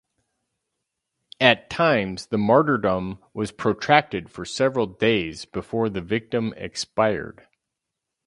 At times the martyrdom was protracted for several days before the victim expired.